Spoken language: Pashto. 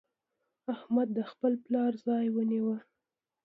احمد د خپل پلار ځای ونيو.